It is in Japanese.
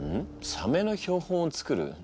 サメの標本を作る？